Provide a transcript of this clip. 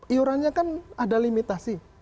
iurannya kan ada limitasi